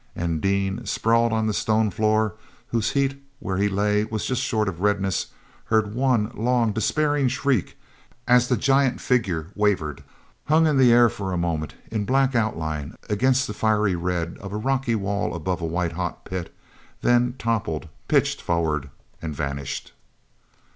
And Dean, sprawled on the stone floor, whose heat where he lay was just short of redness, heard one long, despairing shriek as the giant figure wavered, hung in air for a moment in black outline against the fierce red of a rocky wall above a white hot pit, then toppled, pitched forward, and vanished.